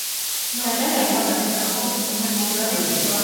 Դարեր առաջ տափաստանում ապրում էր մի ցեղախումբ։